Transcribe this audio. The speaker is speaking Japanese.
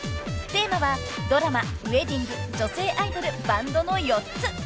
［テーマはドラマウエディング女性アイドルバンドの４つ］